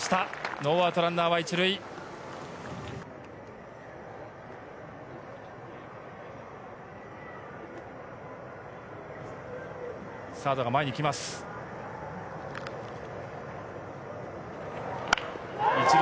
ノーアウト、ランナーは１塁。